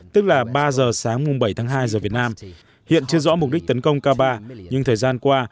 tức là ba giờ sáng bảy tháng hai giờ việt nam hiện chưa rõ mục đích tấn công k ba nhưng thời gian qua